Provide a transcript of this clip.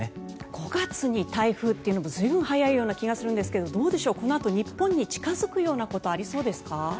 ５月に台風というのも随分早いような気もするんですがこのあと日本に近付くようなことありそうですか？